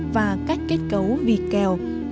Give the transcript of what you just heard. và các kết cấu vì kèo